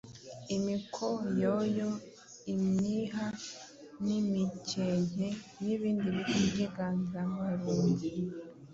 imikoyoyo, imyiha n’imikenke n’ibindi biti by’inganzamarumbu.